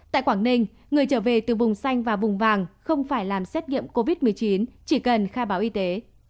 tại quảng ninh người trở về từ vùng xanh và vùng vàng không phải làm xét nghiệm covid một mươi chín chỉ cần khai báo y tế